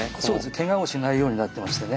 けがをしないようになってましてね。